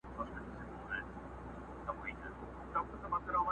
نن به څه خورې سړه ورځ پر تېرېدو ده!!